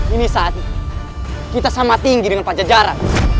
ini saatnya kita sama tinggi dengan pajajara